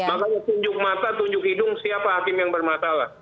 makanya tunjuk mata tunjuk hidung siapa hakim yang bermasalah